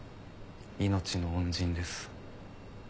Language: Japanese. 命の恩人です。